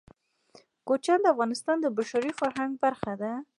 کوچیان د افغانستان د بشري فرهنګ برخه ده.